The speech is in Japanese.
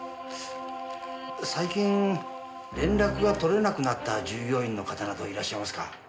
最近連絡がとれなくなった従業員の方などいらっしゃいますか？